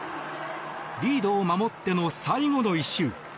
リードを守っての最後の１周。